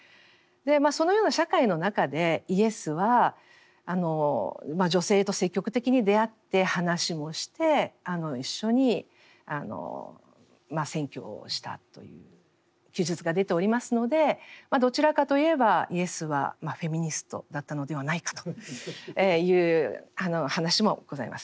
そのような社会の中でイエスは女性と積極的に出会って話もして一緒に宣教したという記述が出ておりますのでどちらかといえばイエスはフェミニストだったのではないかという話もございます。